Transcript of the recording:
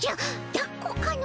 だっこかの？